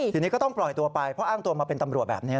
ทีนี้ก็ต้องปล่อยตัวไปเพราะอ้างตัวมาเป็นตำรวจแบบนี้